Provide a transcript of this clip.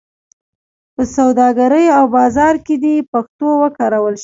په سوداګرۍ او بازار کې دې پښتو وکارول شي.